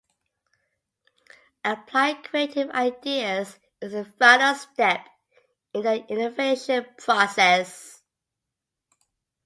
Applying creative ideas is the final step in the innovation process.